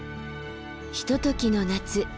ひとときの夏